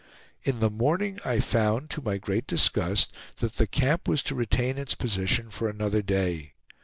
In the morning I found, to my great disgust, that the camp was to retain its position for another day.